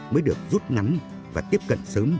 mới được rút ngắn và tiếp cận sớm